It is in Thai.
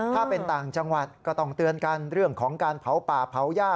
ถ้าเป็นต่างจังหวัดก็ต้องเตือนกันเรื่องของการเผาป่าเผาย่า